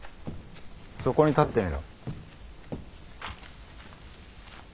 そこに立ってみろ。